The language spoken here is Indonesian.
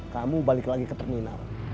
kamu balik lagi ke terminal